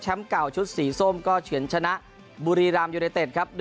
เก่าชุดสีส้มก็เฉินชนะบุรีรามยูเนเต็ดครับ